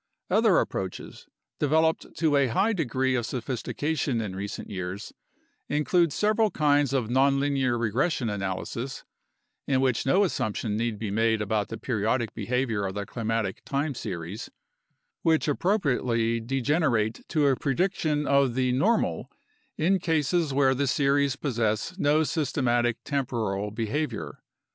Other approaches, developed to a high degree of sophistication in recent years, include several kinds of nonlinear regression analysis (in which no assumption need be made about the periodic behavior of the climatic time series), which appro priately degenerate to a prediction of the "normal" in cases where the series possess no systematic temporal behavior.